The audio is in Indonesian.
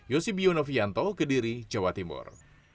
yosib yonovianto kediri jawa timur